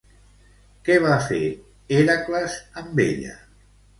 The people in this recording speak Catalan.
Què va fer Hèracles amb ella?